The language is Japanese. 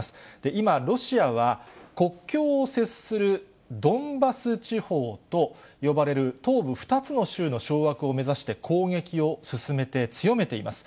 今、ロシアは国境を接するドンバス地方と呼ばれる東部２つの州の掌握を目指して攻撃を進めて、強めています。